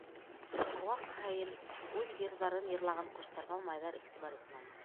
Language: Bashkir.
Ә ҡыуаҡ һайын үҙ йырҙарын йырлаған ҡоштарға малайҙар иғтибар итмәне.